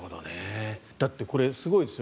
だって、これすごいですよ